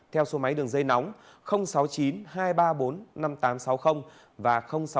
theo số máy đường dây nóng sáu mươi chín hai trăm ba mươi bốn năm nghìn tám trăm sáu mươi và sáu mươi chín hai trăm ba mươi hai một nghìn sáu trăm bảy